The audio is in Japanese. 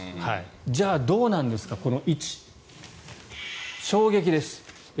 じゃあ、どうなんですかこの位置。衝撃です。